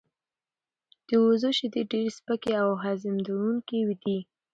د وزو شیدې ډیر سپکې او هضمېدونکې دي.